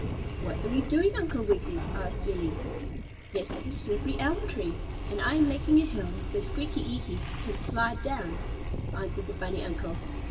"What are you doing, Uncle Wiggily?" asked Jillie. "This is a slippery elm tree, and I am making a hill so Squeaky Eeky can slide down," answered the bunny uncle.